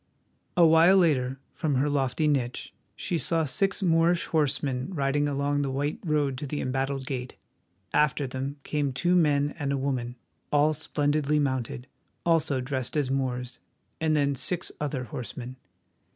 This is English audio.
A while later, from her lofty niche, she saw six Moorish horsemen riding along the white road to the embattled gate. After them came two men and a woman, all splendidly mounted, also dressed as Moors, and then six other horsemen.